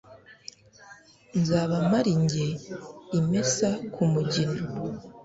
nzaba mpari jye imesa ku mugina